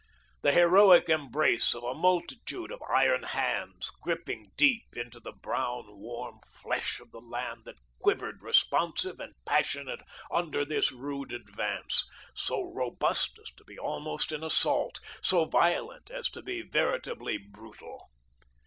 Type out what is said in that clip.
The heroic embrace of a multitude of iron hands, gripping deep into the brown, warm flesh of the land that quivered responsive and passionate under this rude advance, so robust as to be almost an assault, so violent as to be veritably brutal.